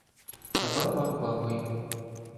Та баба — бабою.